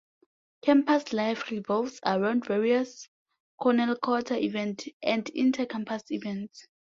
Campus life revolves around various Cornell-Qatar events and inter-campus events.